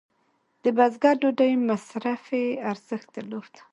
د بزګر ډوډۍ مصرفي ارزښت درلود.